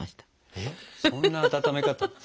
えっそんな温め方。